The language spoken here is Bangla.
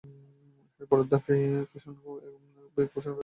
এর পরের ধাপে আসে কুষাণ লিপি; এগুলি কুষাণ রাজাদের আমলে প্রচলিত ছিল।